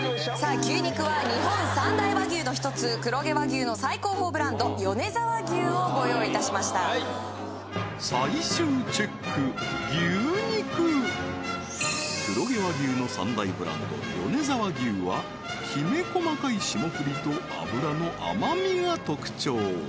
牛肉は日本三大和牛の一つ黒毛和牛の最高峰ブランド米沢牛をご用意いたしました最終チェック黒毛和牛の三大ブランド米沢牛はきめ細かい霜降りと脂の甘みが特徴